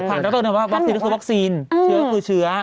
คุณหมอบอกว่าวัคซีนคือวัคซีนเชื้อคือเชื้อ